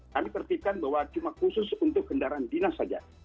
kami perhatikan bahwa cuma khusus untuk kendaraan dinas saja